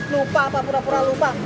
lupa apa pura pura lupa